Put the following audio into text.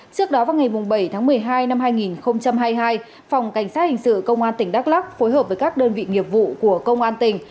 trước đó vào ngày bảy tháng một mươi hai năm hai nghìn hai mươi hai phòng cảnh sát hình sự công an tỉnh đắk lắc phối hợp với các đơn vị nghiệp vụ của công an tỉnh